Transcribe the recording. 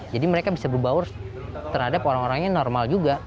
jadi mereka bisa berbaur terhadap orang orang yang normal juga